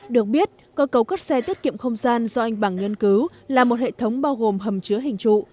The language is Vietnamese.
được biết cơ cấu cất xe tiết kiệm không gian do anh bằng nghiên cứu là một hệ thống bao gồm hầm chứa hình trụ